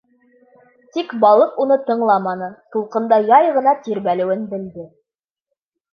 Тик балыҡ уны тыңламаны, тулҡында яй ғына тирбәлеүен белде.